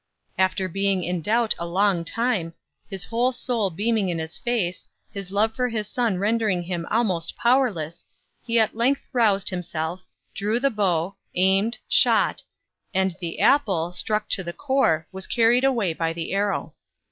After being in doubt a long time, his whole soul beaming in his face, his love for his son rendering him almost powerless, he at length roused himself drew the bow aimed shot and the apple, struck to the core, was carried away by the arrow.